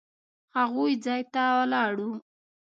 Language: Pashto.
هغوی ځای ته ولاړو.